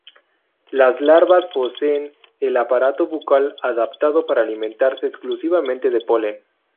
Las larvas poseen el aparato bucal adaptado para alimentarse exclusivamente de polen.